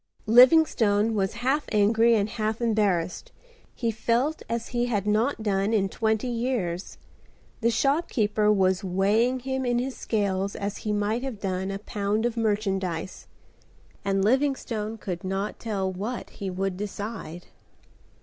Livingstone was half angry and half embarrassed. He felt as he had not done in twenty years. The shopkeeper was weighing him in his scales as he might have done a pound of merchandise, and Livingstone could not tell what he would decide.